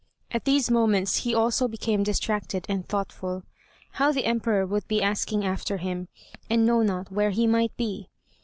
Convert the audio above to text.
At these moments he also became distracted and thoughtful. How the Emperor would be asking after him, and know not where he might be!